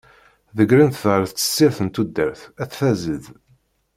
Ḍeggren-t ɣer tessirt n tudert ad t-tezḍ.